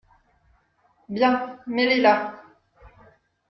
Bien ! mets-les là.